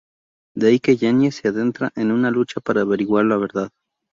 De ahí que Jeannie se adentra en una lucha para averiguar la verdad.